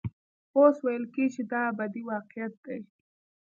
اوس ویل کېږي دا ابدي واقعیت دی.